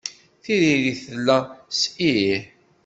Tiririt tella s "ih".